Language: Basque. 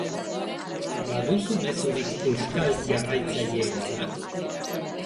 Baduzu mezurik euskal jarraitzaileentzat?